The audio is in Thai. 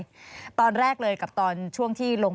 แว่ตาอยู่ไหน